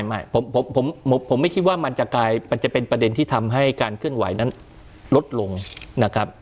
ไม่ผมไม่คิดว่ามันจะกลายมันจะเป็นประเด็นที่ทำให้การเคลื่อนไหวนั้นลดลงนะครับ